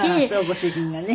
ご主人がね。